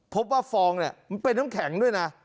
ฟองเนี่ยมันเป็นน้ำแข็งด้วยนะ